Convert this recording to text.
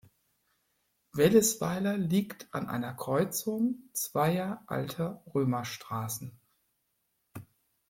Wellesweiler liegt an einer Kreuzung zweier alter Römerstraßen.